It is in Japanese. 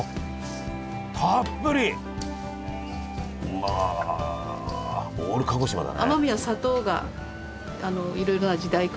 まあオール鹿児島だね。